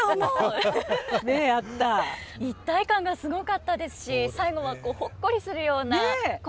一体感がすごかったですし最後はほっこりするような恋のお話でしたよね。